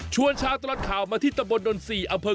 ชวนช้าตลอดข่าวมาที่ตำบลดนทรีย์อำเภอร์